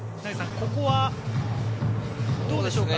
ここはどうでしょうか。